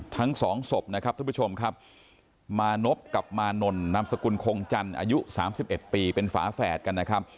ทั้งสองศพนะครับท่านผู้ชมครับมานพกับมานนนามสกุลคงจันทร์อายุ๓๑ปีเป็นฝาแฝดกันนะครับ